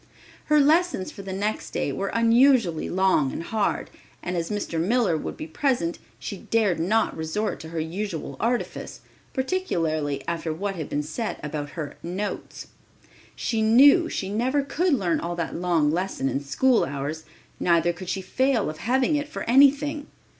Her lessons for the next day were unusually long and hard, and as Mr. Miller would be present, she dared not resort to her usual artifice, particularly after what had been said about her "notes." She knew she never could learn all that long lesson in school hours, neither would she fail of having it for anything.